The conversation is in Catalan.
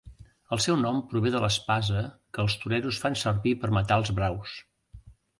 El seu nom prové de l'espasa que els toreros fan servir per matar els braus.